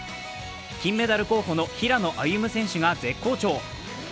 金メダル候補の平野歩夢選手が絶好調。